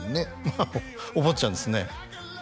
まあお坊ちゃんですね